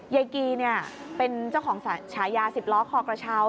ยายกีเป็นเจ้าของฉายา๑๐ล้อคอกระเช้า